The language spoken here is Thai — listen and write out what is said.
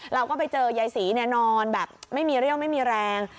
เราก็ไปเจอยายศรีนอนแบบไม่มีเรี่ยวไม่มีแรง